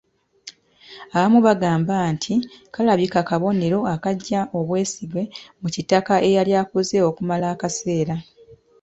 Abamu bagamba nti kalabika kabonero akaggya obwesige mu Kitaka eyali akoze okumala akaseera.